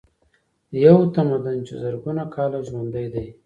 یو تمدن چې زرګونه کاله ژوندی دی.